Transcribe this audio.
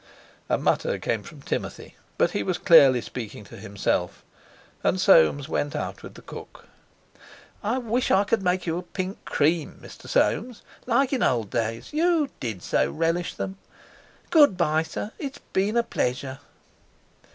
A mutter came from Timothy, but he was clearly speaking to himself, and Soames went out with the cook. "I wish I could make you a pink cream, Mr. Soames, like in old days; you did so relish them. Good bye, sir; it has been a pleasure."